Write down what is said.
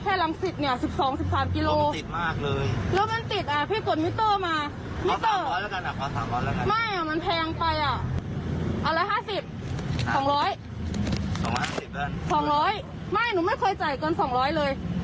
เอาละ๕๐๒๐๐๒๐๐ไม่หนูไม่เคยจ่ายเกิน๒๐๐เลย